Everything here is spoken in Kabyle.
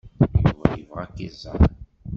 Yuba yebɣa ad k-iẓer.